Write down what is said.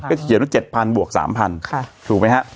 ก็จะเขียนว่า๗๐๐๐บวก๓๐๐๐ถูกไหมครับ